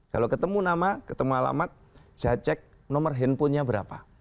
kalau ketemu nama ketemu alamat saya cek nomor handphonenya berapa